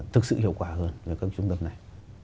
thực sự hiệu quả hơn với các trung tâm này